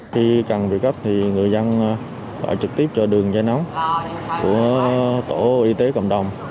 khi cần được cấp thì người dân gọi trực tiếp cho đường dây nóng của tổ y tế cộng đồng